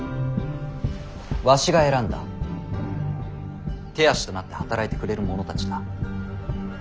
わしが選んだ手足となって働いてくれる者たちだ。